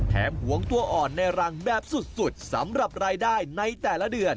หวงตัวอ่อนในรังแบบสุดสำหรับรายได้ในแต่ละเดือน